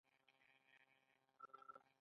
که خوځښت ودریږي، ژوند پای ته رسېږي.